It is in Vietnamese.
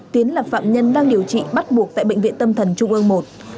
tiến là phạm nhân đang điều trị bắt buộc tại bệnh viện tâm thần trung ương i